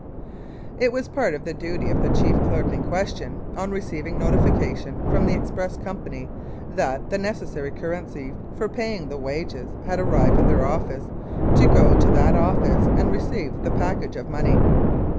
It was part of the duty of the chief clerk in question, on receiving notification from the Express Company that the necessary currency for paying the wages had arrived at their office, to go to that office and receive the package of money.